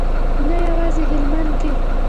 نه یوازې هلمند کې.